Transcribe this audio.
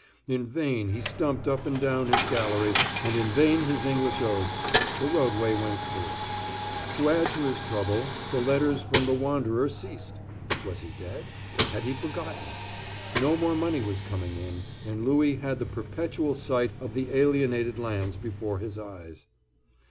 In vain he stumped up and down his gallery, and in vain his English oaths—the roadway went through. To add to his trouble, the letters from the wanderer ceased. Was he dead? Had he forgotten? No more money was coming in, and Louis had the perpetual sight of the alienated lands before his eyes.